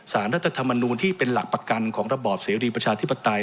รัฐธรรมนูลที่เป็นหลักประกันของระบอบเสรีประชาธิปไตย